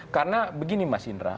karena begini mas indra